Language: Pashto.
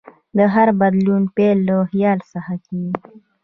د هر بدلون پیل له خیال څخه کېږي.